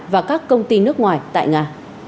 và các công ty nước ngoài tại nga